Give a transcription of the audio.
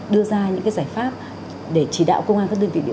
đưa ra những cái giải pháp để chỉ đạo công an các đơn vị bộ công an